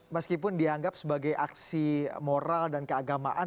meskipun dianggap sebagai aksi moral dan keagamaan